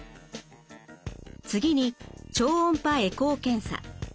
次に超音波エコー検査。